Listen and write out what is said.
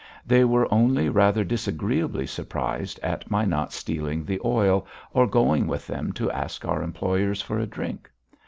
They were only rather disagreeably surprised at my not stealing the oil, or going with them to ask our employers for a drink.